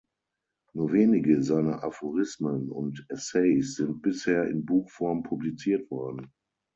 Nur wenige seiner Aphorismen und Essays sind bisher in Buchform publiziert worden.